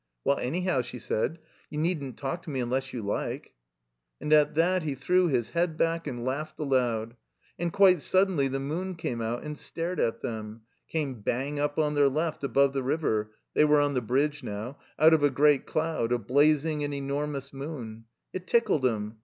''Well, anyhow/' she said, "you needn't talk to me unless you Uke." And at that he threw his head back and laughed aloud. And quite suddenly the moon came out and stared at them ; came bang up on their left above the River (they were on the bridge now) out of a great doud, a blazing and enormous moon. It tickled him.